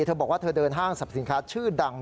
เธอบอกว่าเธอเดินห้างสรรพสินค้าชื่อดัง